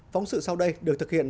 phóng sự sau đây được thực hiện